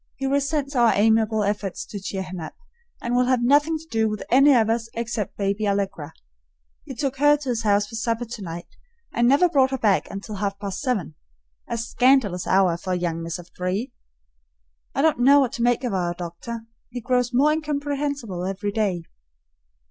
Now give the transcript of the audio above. He resents our amiable efforts to cheer him up, and will have nothing to do with any of us except baby Allegra. He took her to his house for supper tonight and never brought her back until half past seven, a scandalous hour for a young miss of three. I don't know what to make of our doctor; he grows more incomprehensible every day.